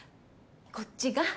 こっちが。